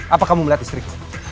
apa kamu melihat istriku